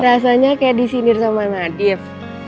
rasanya kayak disinir sama nadif